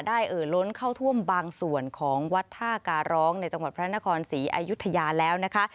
เอ่อล้นเข้าท่วมบางส่วนของวัดท่าการร้องในจังหวัดพระนครศรีอายุทยาแล้วนะคะ